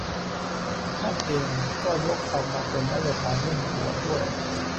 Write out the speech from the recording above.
ท่านเองก็ยกเอามาเป็นนโยบายเร่งด่วนด้วย